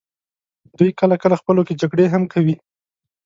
دوی کله کله خپلو کې جګړې هم کوي.